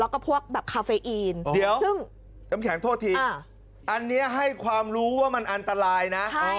แล้วก็พวกแบบคาเฟอีนซึ่งน้ำแข็งโทษทีอันนี้ให้ความรู้ว่ามันอันตรายนะ